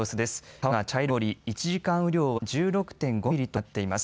川が茶色く濁り、１時間雨量は１６．５ミリとなっています。